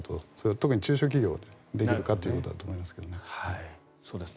特に中小企業ができるかということだと思いますけどね。